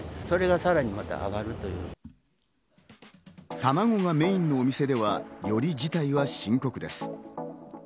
卵がメインのお店では、より事態は深刻です。